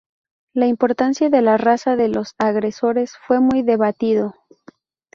La importancia de la raza de los agresores fue muy debatido.